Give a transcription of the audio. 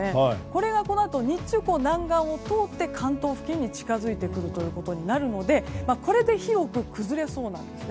これがこのあと日中、南岸を通って関東付近に近づいてくることになるのでこれで広く崩れそうなんです。